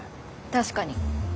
確かに。